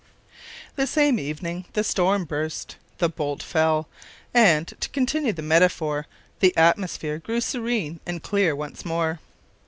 The same evening the storm burst, the bolt fell, and to continue the metaphor the atmosphere grew serene and clear once more.